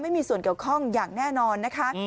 ไม่มีส่วนเกี่ยวข้องอย่างแน่นอนนะคะ